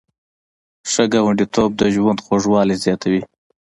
ښه ګاونډیتوب د ژوند خوږوالی زیاتوي.